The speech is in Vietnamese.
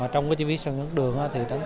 trong chi phí sản xuất đường